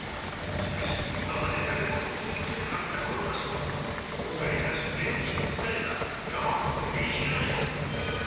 しかし今までだれもたどりつけなかったこの場所は広大なしぜんにかくされたいわばせいいきなのじゃ。